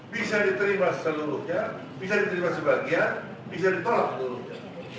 bisa diterima seluruhnya bisa diterima sebagian bisa ditolak seluruhnya